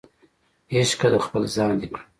عشقه د خپل ځان دې کړم